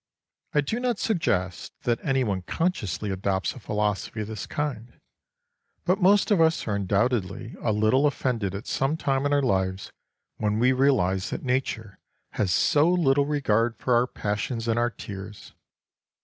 I do not suggest that anyone consciously adopts a philosophy of this kind. But most of us are undoubtedly a little offended at some time in our lives when we realise that Nature has so little regard for our passions and our tears.